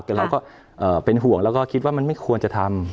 แต่เราก็เป็นห่วงแล้วก็คิดว่ามันไม่ควรจะทำ